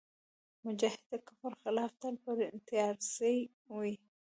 مجاهد د کفر خلاف تل په تیارسئ وي.